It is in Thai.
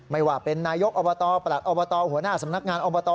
ไม่ว่าเป็นนายกอบตประหลัดอบตหัวหน้าสำนักงานอบต